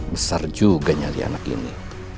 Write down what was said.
besar juga nyali anak ini